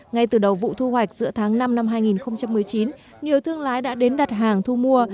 ngay từ đầu vụ thu hoạch giữa tháng năm năm hai nghìn một mươi chín nhiều thương lái đã đến đặt hàng thu mua